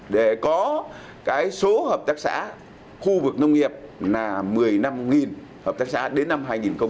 để có số hợp tác xã khu vực nông nghiệp là một mươi năm hợp tác xã đến năm hai nghìn hai mươi